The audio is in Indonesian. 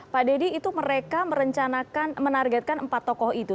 pak deddy itu mereka merencanakan menargetkan empat tokoh itu